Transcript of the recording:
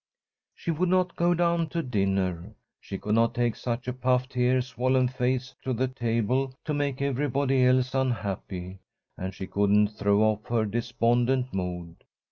She would not go down to dinner. She could not take such a puffed, tear swollen face to the table to make everybody else unhappy, and she couldn't throw off her despondent mood.